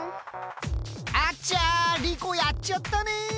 あちゃリコやっちゃったね！